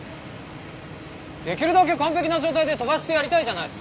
できるだけ完ぺきな状態で飛ばしてやりたいじゃないすか。